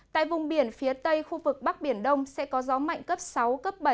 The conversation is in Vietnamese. tại vùng biển phía tây khu vực bắc biển đông sẽ có gió mạnh cấp sáu cấp bảy